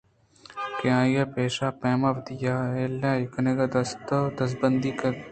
کہ آئی ءَ پیش ءِ پیم ءَ وتی یلہ کنگ ءَ دست ءُ دزبندی کُت